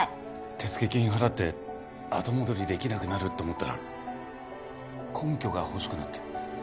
手付金払って後戻りできなくなると思ったら根拠が欲しくなって。